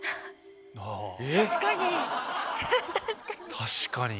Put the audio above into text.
確かに。